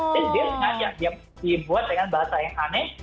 jadi dia sengaja dibuat dengan bahasa yang aneh